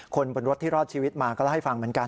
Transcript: คนบนรถที่รอดชีวิตมาก็เล่าให้ฟังเหมือนกัน